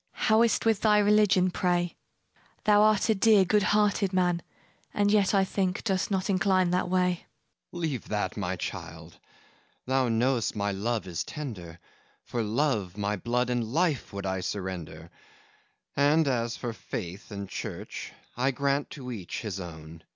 FAUST What I can! MARGARET How is't with thy religion, pray? Thou art a dear, good hearted man, And yet, I think, dost not incline that way. FAUST Leave that, my child! Thou know'st my love is tender; For love, my blood and life would I surrender, And as for Faith and Church, I grant to each his own.